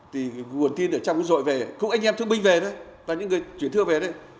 thì nguồn tin ở trong rội về cũng anh em thương binh về đấy và những người chuyển thưa về đấy